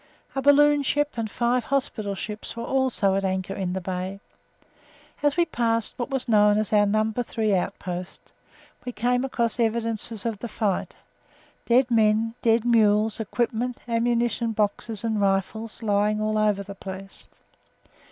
A balloon ship and five hospital ships were also at anchor in the bay. As we passed what was known as our No. 3 Outpost, we came across evidences of the fight dead men, dead mules, equipment, ammunition boxes and rifles lying all over the place.